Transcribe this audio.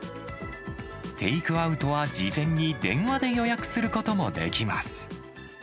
テイクアウトは、事前に電話で予約することもできます。